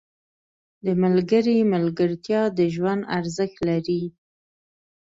• د ملګري ملګرتیا د ژوند ارزښت لري.